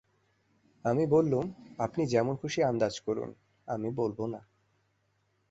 আমি বললুম, আপনি যেমন-খুশি আন্দাজ করুন, আমি বলব না।